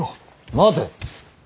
待て。